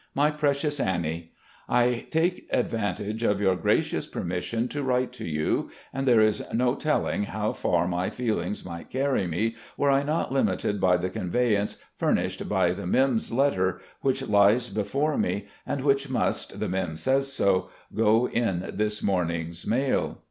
"My Precious Annie : I take advantage of your gracious permission to write to you, and there is no telling how far my feelings might carry me were I not limited by the conveyance furnished by the Mim's* letter, which lies before me, and which must, the Mim says so, go in this morning's mail.